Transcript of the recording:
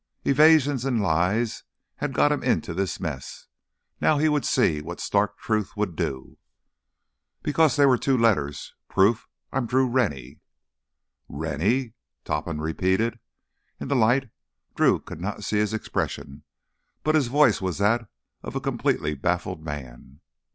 Evasions and lies had gotten him into this mess; now he would see what stark truth would do. "Because there were two letters—proof I'm Drew Rennie." "Rennie?" Topham repeated. In the light Drew could not see his expression, but his voice was that of a completely baffled man.